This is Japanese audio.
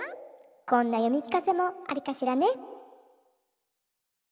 こんなよみきかせもあるかしらね。